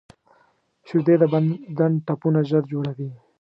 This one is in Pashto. شیدې د بدن ټپونه ژر جوړوي